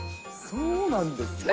そうなんですね。